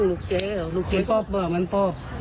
ไม่มีใครคาดคิดไงคะว่าเหตุการณ์มันจะบานปลายรุนแรงแบบนี้